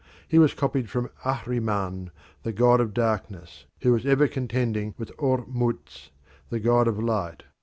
He was copied from Ahriman, the God of Darkness, who was ever contending with Ormuzd, the God of Light.